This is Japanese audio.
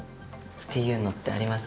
っていうのってありますか？